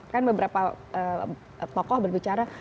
kan beberapa tokoh berbicara